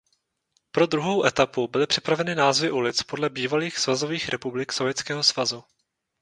Pro druhou etapu byly připraveny názvy ulic podle bývalých svazových republik Sovětského svazu.